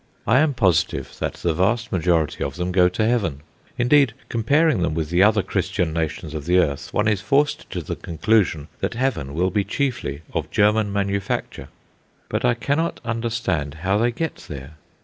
I am positive that the vast majority of them go to Heaven. Indeed, comparing them with the other Christian nations of the earth, one is forced to the conclusion that Heaven will be chiefly of German manufacture. But I cannot understand how they get there.